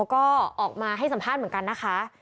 ก็ออกมาให้สัมภาษณ์เหมือนกันนะคะ